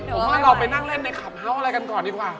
ผมว่าเราไปนั่งเล่นในคลับเฮาส์อะไรกันก่อนดีกว่า